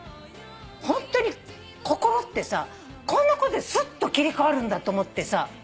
ホントに心ってさこんなことですっと切り替わるんだと思ってさ。